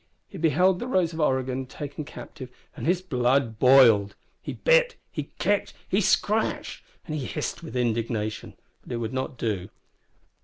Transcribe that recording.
He beheld the Rose of Oregon taken captive, and his blood boiled! He bit, he kicked, he scratched, and he hissed with indignation but it would not do.